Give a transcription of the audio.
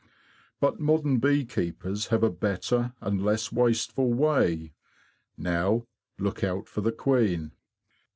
But modern bee keepers have a better and less wasteful way. Now, look out for the queen!